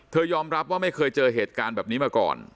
ยอมรับว่าไม่เคยเจอเหตุการณ์แบบนี้มาก่อน